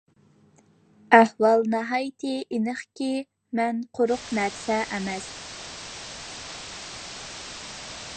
ئەھۋال ناھايىتى ئېنىقكى، مەن قۇرۇق نەرسە ئەمەس.